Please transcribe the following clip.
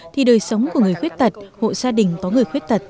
thì đời sống của người khuyết tật hộ gia đình có người khuyết tật